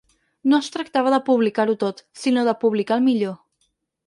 No es tractava de publicar-ho tot, sinó de publicar el millor.